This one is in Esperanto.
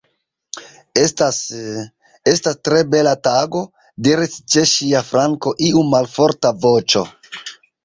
"Estas... estas tre bela tago," diris ĉe ŝia flanko iu malforta voĉo.